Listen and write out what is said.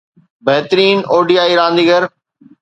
بهترين ODI رانديگر